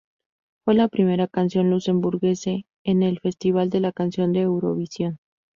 Fue la primera canción luxemburguesa en el Festival de la Canción de Eurovisión.